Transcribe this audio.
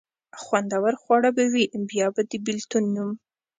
خوندور خواړه به وي، بیا به د بېلتون نوم.